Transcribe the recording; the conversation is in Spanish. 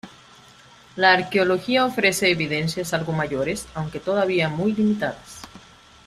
La arqueología ofrece evidencias algo mayores, aunque todavía muy limitadas.